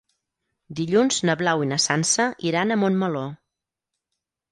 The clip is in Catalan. Dilluns na Blau i na Sança iran a Montmeló.